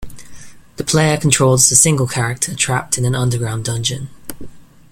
The player controls a single character trapped in an underground dungeon.